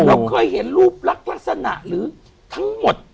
เราเคยเห็นรูปลักษณะหรือทั้งหมด